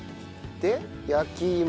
で焼き芋。